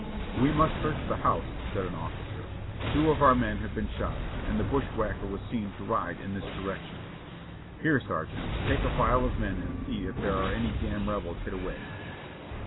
"We must search the house," said an officer. "Two of our men have been shot, and the bushwhacker was seen to ride in this direction. Here, sergeant, take a file of men and see if there are any damn Rebels hid away."